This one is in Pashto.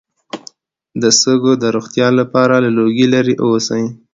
د سږو د روغتیا لپاره له لوګي لرې اوسئ